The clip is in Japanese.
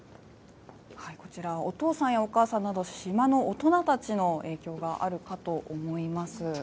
こちら、お父さんやお母さんなど、島の大人たちの影響があるかと思います。